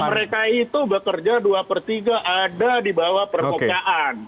mereka itu bekerja dua per tiga ada di bawah permukaan